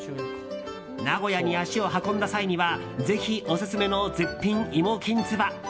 名古屋に足を運んだ際にはぜひオススメの絶品芋きんつば。